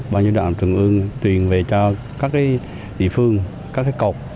ban giới đạo trung ương truyền về cho các địa phương các cột